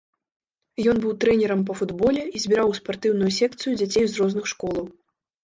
Ён быў трэнерам па футболе і збіраў у спартыўную секцыю дзяцей з розных школаў.